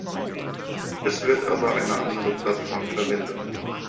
Es wird aber eine andere Plattform verwendet.